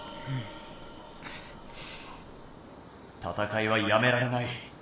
戦いはやめられない。